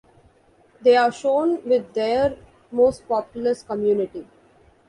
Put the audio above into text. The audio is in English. They are shown with their most populous community.